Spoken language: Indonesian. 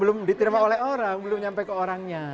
belum diterima oleh orang belum nyampe ke orangnya